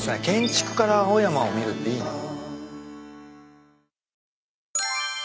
建築から青山を見るっていい。